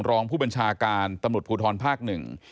รองผู้บัญชาการตำรวจภูทรภาคหนึ่ง